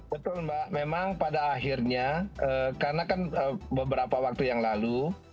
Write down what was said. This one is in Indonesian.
betul mbak memang pada akhirnya karena kan beberapa waktu yang lalu